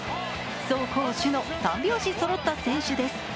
走攻守の三拍子そろった選手です。